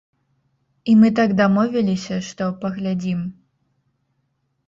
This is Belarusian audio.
І мы так дамовіліся, што паглядзім.